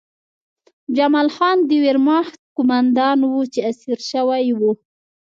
جمال خان د ویرماخت قومندان و چې اسیر شوی و